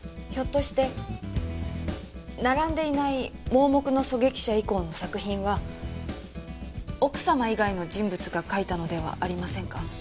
ひょっとして並んでいない『盲目の狙撃者』以降の作品は奥様以外の人物が書いたのではありませんか？